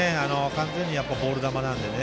完全にボール球なのでね。